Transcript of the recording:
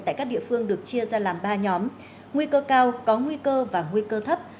tại các địa phương được chia ra làm ba nhóm nguy cơ cao có nguy cơ và nguy cơ thấp